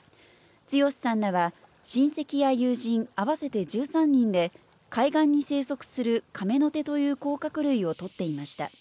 剛さんらは親戚や友人合わせて１３人で、海岸に生息するカメノテという甲殻類を捕っていました。